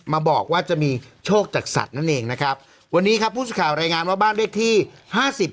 มาบอกว่าจะมีโชคจักรสัตว์นั่นเองนะครับวันนี้ครับพูดสิทธิ์ข่าวรายงานว่าบ้านเรียกที่